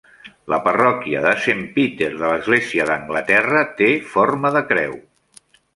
La parròquia de Saint Peter de l'Església d'Anglaterra té forma de creu.